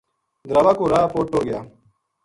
دراوا کو راہ پو ٹُر گیا